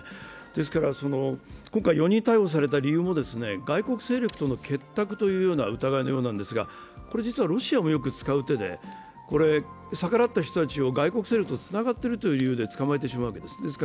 ですから、今回４人逮捕された理由も外国勢力との結託という疑いのようですが、実はこれはロシアもよく使う手で逆らった人たちを外国勢力とつながっているという理由で捕まえてしまうわけです。